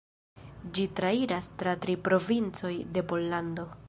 Ĝi trairas tra tri provincoj de Pollando.